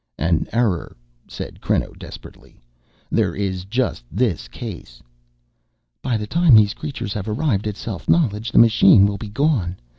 "An error," said Creno desperately. "There is just this case." "By the time these creatures have arrived at self knowledge the machine will be gone.